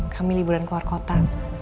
kami liburan keluar kota